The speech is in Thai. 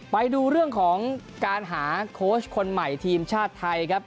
ไปดูเรื่องของการหาโค้ชคนใหม่ทีมชาติไทยครับ